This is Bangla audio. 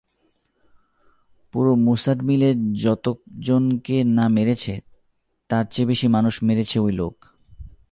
পুরো মুসাড মিলে যতজনকে না মেরেছে তারচেয়ে বেশি মানুষ মেরেছে ঐ লোক।